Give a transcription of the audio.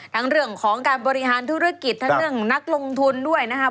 เรื่องของการบริหารธุรกิจทั้งเรื่องนักลงทุนด้วยนะครับ